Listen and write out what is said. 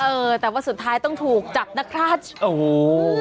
เออแต่ว่าสุดท้ายต้องถูกจับนะครับโอ้โห